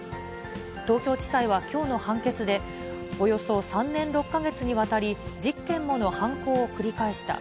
東京地裁はきょうの判決で、およそ３年６か月にわたり、１０件もの犯行を繰り返した。